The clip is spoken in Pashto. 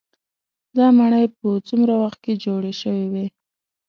دا ماڼۍ په څومره وخت کې جوړې شوې وي.